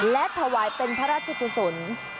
และถวายเป็นพระราชกุศลและสมเด็จพระตานิษฐาทิระคราชเจ้า